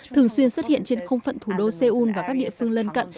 thường xuyên xuất hiện trên không phận thủ đô seoul và các địa phương lân cận